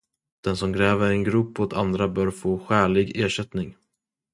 Den som gräver en grop åt andra bör få skälig ersättning.